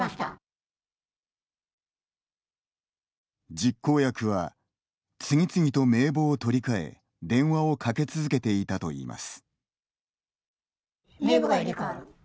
実行役は次々と名簿を取り替え電話をかけ続けていたといいます。